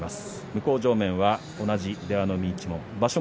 向正面は同じ出羽海一門場所